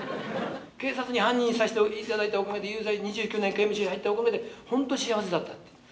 警察に犯人にさして頂いたおかげで有罪で２９年刑務所に入ったおかげでほんと幸せだった。